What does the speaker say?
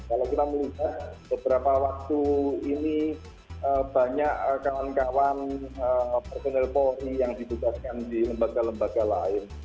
kalau kita melihat beberapa waktu ini banyak kawan kawan personel polri yang ditugaskan di lembaga lembaga lain